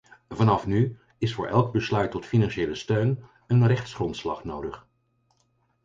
Vanaf nu is voor elk besluit tot financiële steun een rechtsgrondslag nodig.